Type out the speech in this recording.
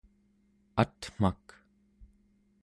atmak